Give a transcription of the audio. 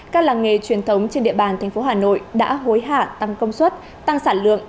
các làng nghề truyền thống trên địa bàn tp hà nội đã hối hạ tăng công suất tăng sản lượng